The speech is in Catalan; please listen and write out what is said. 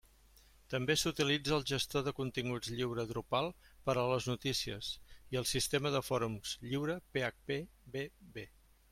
També s'utilitza el gestor de continguts lliure Drupal per a les notícies i el sistema de fòrums lliure phpBB.